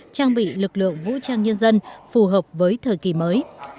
trang bị lực lượng vũ trang nhân dân phù hợp với thời kỳ mới